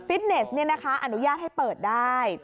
ฟิตเนสนี่นะคะอนุญาตให้เปิดได้